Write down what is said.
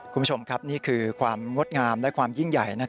คุณผู้ชมครับนี่คือความงดงามและความยิ่งใหญ่